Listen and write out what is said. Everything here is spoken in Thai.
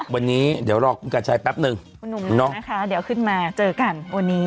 วันนี้เดี๋ยวรอคุณกระชัยแป๊บนึงคุณหนุ่มนะคะเดี๋ยวขึ้นมาเจอกันวันนี้